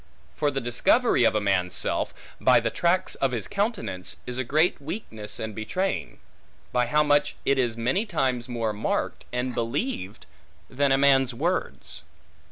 For the discovery of a man' s self, by the tracts of his countenance, is a great weakness and betraying; by how much it is many times more marked, and believed, than a man's words.